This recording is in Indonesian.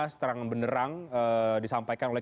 seterang beneran disampaikan oleh